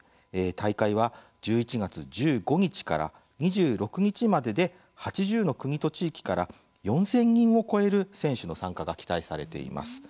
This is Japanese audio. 大会は１１月１５日から２６日までで８０の国と地域から４０００人を超える選手の参加が期待されています。